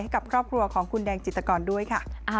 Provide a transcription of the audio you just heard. กับครอบครัวของคุณแดงจิตกรด้วยค่ะ